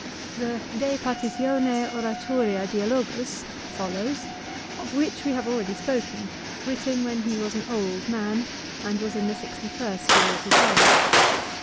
The "De Partitione Oratoria Dialogus" follows, of which we have already spoken, written when he was an old man, and was in the sixty first year of his life.